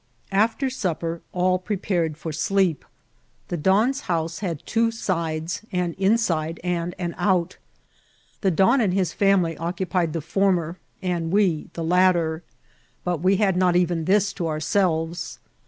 After supper all prepared for sleep. The don's house WALL OP COPAlf. M had two sides, an inside and an out. The don and his &mily occupied the former, and w% the latter ; but we had not even this to ourtelves.